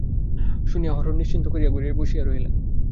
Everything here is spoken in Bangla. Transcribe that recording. শুনিয়া হরিহর নিশ্চিন্ত হইয়া ঘরে বসিয়া রহিলেন।